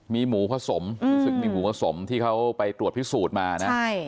มีหมูผสมรู้สึกมีหมูผสมที่เขาไปตรวจพิสูจน์มานะ